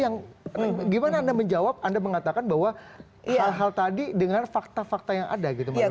yang gimana anda menjawab anda mengatakan bahwa hal hal tadi dengan fakta fakta yang ada gitu menurut anda